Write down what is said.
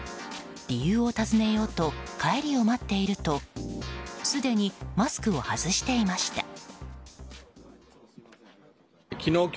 理由を尋ねようと帰りを待っているとすでにマスクを外していました。